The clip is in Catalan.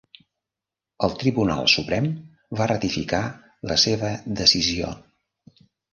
El Tribunal Suprem va ratificar la seva decisió.